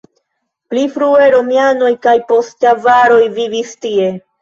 Pli frue romianoj kaj poste avaroj vivis tie.